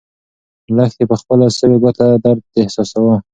لښتې په خپله سوې ګوته درد احساساوه.